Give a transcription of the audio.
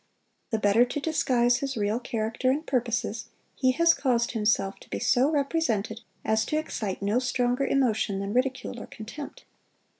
The better to disguise his real character and purposes, he has caused himself to be so represented as to excite no stronger emotion than ridicule or contempt.